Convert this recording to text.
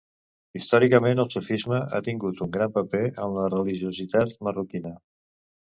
Històricament el sufisme ha tingut un gran paper en la religiositat marroquina.